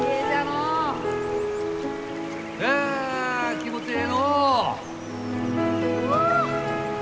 あ気持ちええのう！